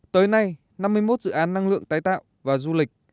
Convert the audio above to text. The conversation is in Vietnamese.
tới nay năm mươi một dự án năng lượng tái tạo và du lịch